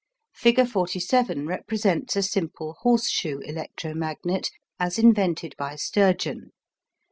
Figure 47 represents a simple "horse shoe" electro magnet as invented by Sturgeon.